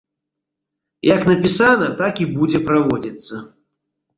Як напісана, так і будзе праводзіцца.